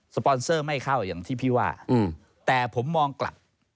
ปอนเซอร์ไม่เข้าอย่างที่พี่ว่าแต่ผมมองกลับ